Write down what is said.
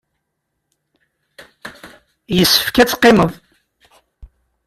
Yessefk ad teqqimeḍ.